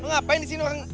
lu ngapain di sini orang